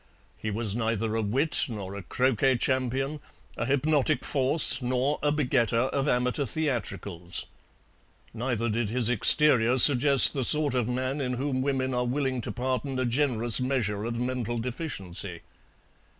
He was neither a wit nor a croquet champion, a hypnotic force nor a begetter of amateur theatricals. Neither did his exterior suggest the sort of man in whom women are willing to pardon a generous measure of mental deficiency.